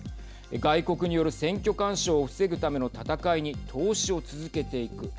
外国による選挙干渉を防ぐための戦いに投資を続けていく。